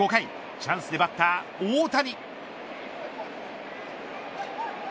チャンスでバッター大谷。